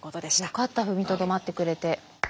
よかった踏みとどまってくれて。